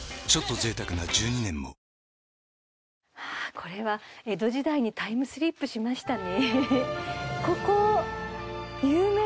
これは江戸時代にタイムスリップしましたね